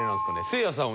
せいやさん